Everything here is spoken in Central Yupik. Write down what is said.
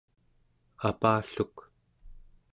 apalluk